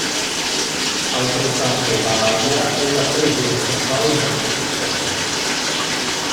Altrettanto varia è la presenza faunistica.